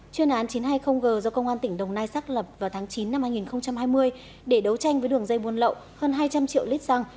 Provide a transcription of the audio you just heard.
chuyên án chín trăm hai mươi g do công an tỉnh đồng nai xác lập vào tháng chín năm hai nghìn hai mươi để đấu tranh với đường dây buôn lậu hơn hai trăm linh triệu lít xăng